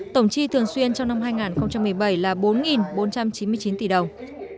tổng chi thường xuyên trong năm hai nghìn một mươi bảy là bốn bốn trăm chín mươi chín tỷ đồng